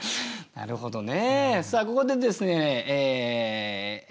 なるほどね。